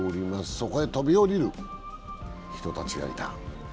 そこへ飛び降りる人たちがいた。